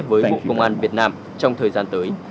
với bộ công an việt nam trong thời gian tới